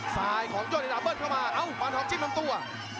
ซ้ายของยูนิดาเพิ่มเข้ามาอ้าวบานทองจิ้นลงตัว